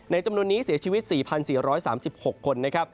จำนวนนี้เสียชีวิต๔๔๓๖คนนะครับ